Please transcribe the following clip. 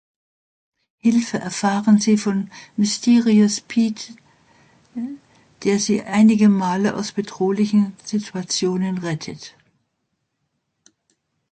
Hilfe erfahren sie von Mysterious Pete, der sie einige Male aus bedrohlichen Situationen rettet.